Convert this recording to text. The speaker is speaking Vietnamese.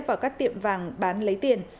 vào các tiệm vàng bán lấy tiền